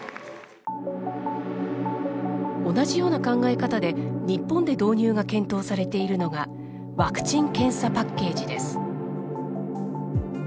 同じような考え方で日本で導入が検討されているのがワクチン・検査パッケージです。